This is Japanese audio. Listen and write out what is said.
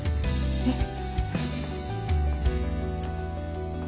えっ。